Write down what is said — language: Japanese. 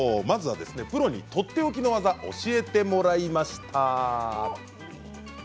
まずはプロにとっておきの技を教えてもらいました。